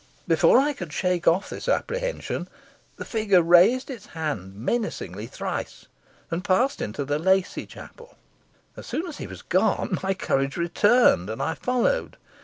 Before I could shake off this apprehension the figure raised its hand menacingly thrice, and passed into the Lacy Chapel. As soon as he was gone my courage returned, and I followed.